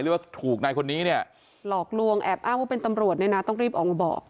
ว่าถูกนายคนนี้เนี่ยหลอกลวงแอบอ้างว่าเป็นตำรวจเนี่ยนะต้องรีบออกมาบอก